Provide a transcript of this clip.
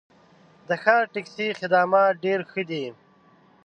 د ښار ټکسي خدمات ډېر ښه دي.